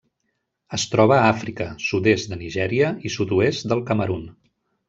Es troba a Àfrica: sud-est de Nigèria i sud-oest del Camerun.